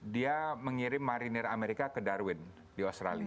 dia mengirim marinir amerika ke darwin di australia